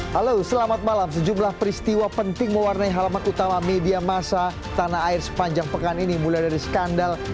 halo selamat malam sejumlah peristiwa penting mewarnai halaman utama media masa tanah air sepanjang pekan ini mulai dari skandal